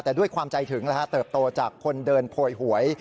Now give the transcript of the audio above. แต่ด้วยความใจถึงเติบโตจากคนเดินโพยหวย